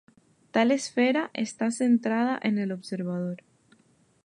Tal esfera está centrada en el observador.